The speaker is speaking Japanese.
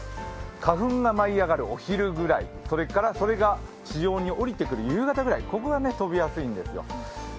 花粉が舞い上がるお昼ぐらい、それが地上におりてくる夕方ぐらいが飛びやすいんですよ。